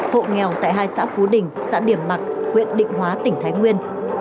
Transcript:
hộ nghèo tại hai xã phú đình xã điểm mặc huyện định hóa tỉnh thái nguyên